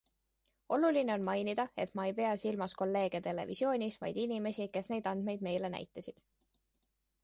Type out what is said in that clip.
Oluline on mainida, et ma ei pea silmas kolleege televisioonis, vaid inimesi, kes neid andmeid meile näitasid.